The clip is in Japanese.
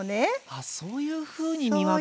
あそういうふうに見分けるんだ。